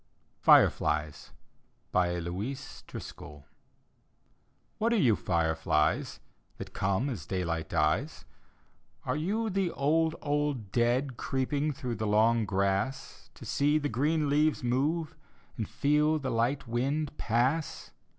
FIREFLIES : louise driscoll What are you, £reflies, That come as daylight dies? Arc you the old, old dead. Creeping through the long grass, To see the green leaves move And feel the light wind pass?